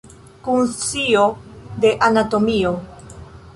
Kun scio de anatomio.